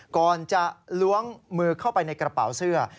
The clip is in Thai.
ก่อนจะล้วงมือเข้าไปในกระเป๋าเสื้อ